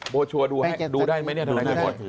โบชัวร์ดูได้ไหมครับ